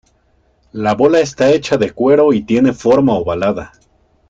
La bola está hecha de cuero y tiene forma ovalada.